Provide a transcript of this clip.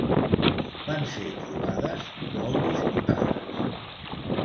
Van ser trobades molt disputades.